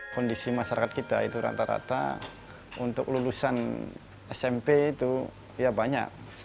kondisi masyarakat kita itu rata rata untuk lulusan smp itu ya banyak